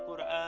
duduk ya tuhan